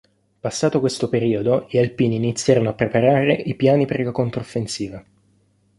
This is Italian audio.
Passato questo periodo gli alpini iniziarono a preparare i piani per la controffensiva.